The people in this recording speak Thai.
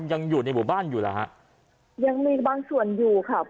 ยังอยู่ในหมู่บ้านอยู่แล้วฮะยังมีบางส่วนอยู่ค่ะ